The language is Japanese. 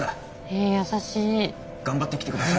え優しい。頑張ってきて下さい。